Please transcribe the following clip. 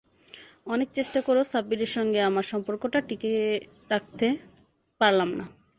অনেক চেষ্টা করেও সাব্বিরের সঙ্গে আমার সম্পর্কটা টিকে রাখতে পারলাম না।